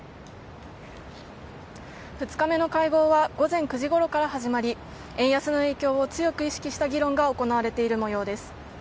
２日目の会合は午前９時ごろから始まり円安の影響を強く意識した議論が行われているもようです。